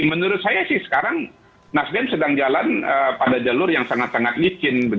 menurut saya sih sekarang nasdem sedang jalan pada jalur yang sangat sangat licin